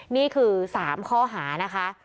นี่คือ๓ข้อหานะคะ